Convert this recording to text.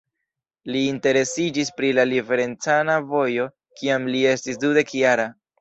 Li interesiĝis pri la liberecana vojo, kiam li estis dudek-jara.